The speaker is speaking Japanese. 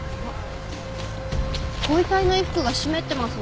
ご遺体の衣服が湿ってますね。